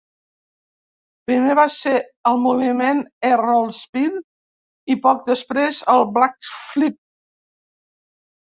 Primer va ser el moviment Air Roll Spin i poc després el Blackflip.